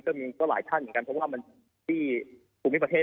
ก็มีก็หลายท่านเหมือนกันเพราะว่ามันที่ภูมิประเทศ